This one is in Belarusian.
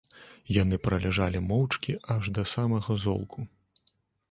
Яны праляжалі моўчкі аж да самага золку.